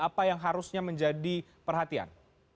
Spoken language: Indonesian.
apa yang harusnya menjadi perhatian